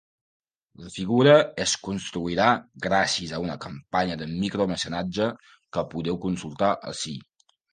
La figura es construirà gràcies a una campanya de micromecenatge, que podeu consultar ací.